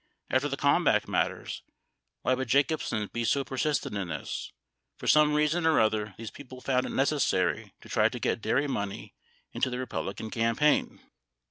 After the Kalmbach matters, why would Jacobsen be so persistent in this? ... [For] some reason or other these people found it necessary to try to get dairy money into the Republican campaign.